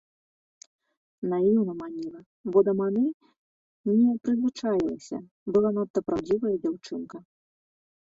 Наіўна маніла, бо да маны не прызвычаілася, была надта праўдзівая дзяўчынка.